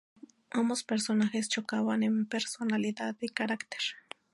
Ambos personajes chocaban en personalidad y carácter.